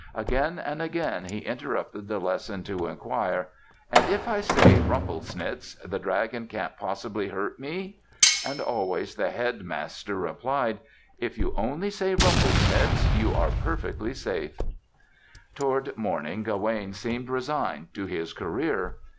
Again and again he interrupted the lesson to inquire, "And if I say 'Rumplesnitz' the dragon can't possibly hurt me?" And always the Headmaster replied, "If you only say 'Rumplesnitz,' you are perfectly safe." Toward morning Gawaine seemed resigned to his career.